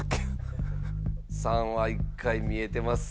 ３は１回見えてます。